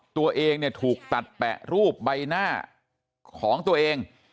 ตัวเองเนี่ยถูกตัดแปะรูปใบหน้าของตัวเอง